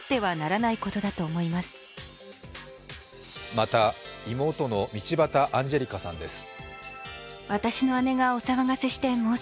また、妹の道端アンジェリカさんです。